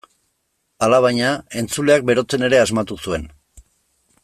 Alabaina, entzuleak berotzen ere asmatu zuen.